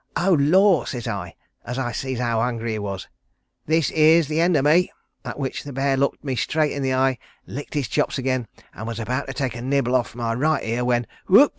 'Oh Lor!' says I, as I see how hungry he was. 'This here's the end o' me;' at which the bear looked me straight in the eye, licked his chops again, and was about to take a nibble off my right ear when 'Whoop!'